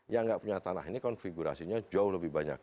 yang nggak punya tanah ini konfigurasinya jauh lebih banyak